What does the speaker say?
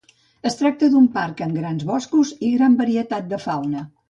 Es tracta d'un parc amb grans boscos i gran varietat de fauna.